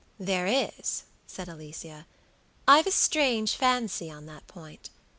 "There is," said Alicia; "I've a strange fancy on that point.